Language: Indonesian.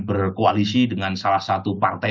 berkoalisi dengan salah satu partai